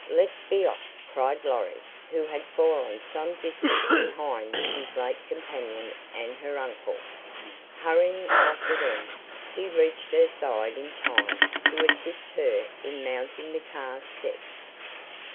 Let's be off," cried Lorry, who had fallen some distance behind his late companion and her uncle. Hurrying after them, he reached her side in time to assist her in mounting the car steps.